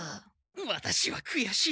ワタシはくやしい。